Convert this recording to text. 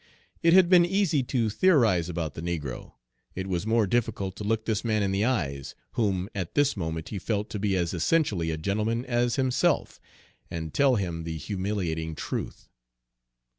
It had been easy to theorize about the negro; it was more difficult to look this man in the eyes whom at this moment he felt to be as essentially a gentleman as himself and tell him the humiliating truth.